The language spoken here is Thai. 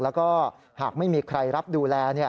แล้วก็หากไม่มีใครรับดูแล